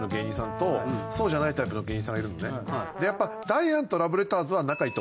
やっぱり。